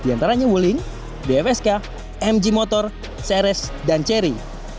antaranya wuling bfsk mg motor ceres dan ceri